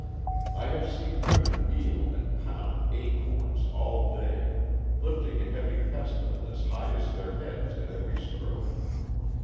I have seen women kneel and pound acorns all day, lifting a heavy pestle as high as their heads at every stroke.